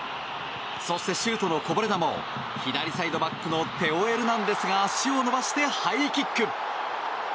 そして、シュートのこぼれ球を左サイドバックのテオ・エルナンデスが足を伸ばしてハイキック。